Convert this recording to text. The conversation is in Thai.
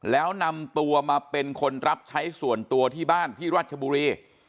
แล้วนำตัวมาเป็นคนรับใช้ส่วนตัวที่บ้านที่รัชบุรี